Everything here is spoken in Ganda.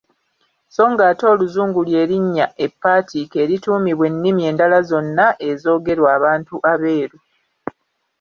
Sso ng'ate Oluzungu lye linnya eppaatiike erituumibwa ennimi endala zonna ezoogerwa abantu abeeru.